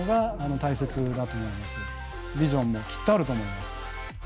ビジョンもきっとあると思いますので。